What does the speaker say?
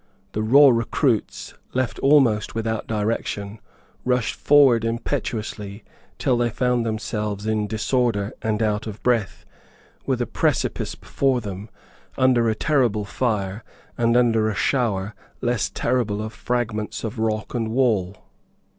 The raw recruits, left almost without direction, rushed forward impetuously till they found themselves in disorder and out of breath, with a precipice before them, under a terrible fire, and under a shower, scarcely less terrible, of fragments of rock and wall.